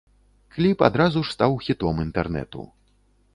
Кліп адразу ж стаў хітом інтэрнэту.